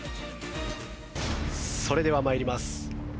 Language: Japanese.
それでは参ります。